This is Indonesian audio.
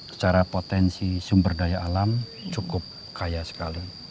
secara potensi sumber daya alam cukup kaya sekali